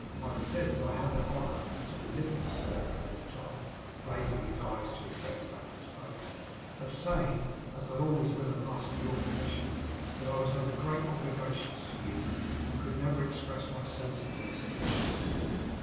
I said I had that honour, and I took the liberty, sir,' added Tom, raising his eyes to his benefactor's face, 'of saying, as I always will and must, with your permission, that I was under great obligations to you, and never could express my sense of them sufficiently.